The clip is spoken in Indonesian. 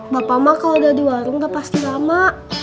bapak mah kalau udah di warung udah pasti lama